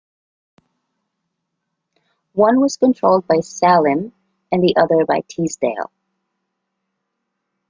One was controlled by Saleam and the other by Teasdale.